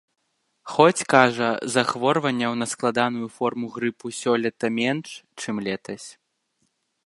Хоць, кажа, захворванняў на складаную форму грыпу сёлета менш, чым летась.